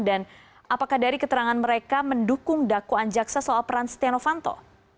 dan apakah dari keterangan mereka mendukung daku anjaksa soal peran setia novanto